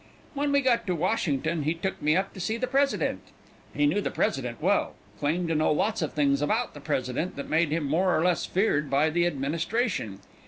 "When we got to Washington, he took me up to see the President. He knew the President well claimed to know lots of things about the President that made him more or less feared by the administration.